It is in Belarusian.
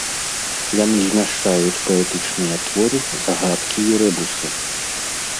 Яны змяшчаюць паэтычныя творы, загадкі і рэбусы.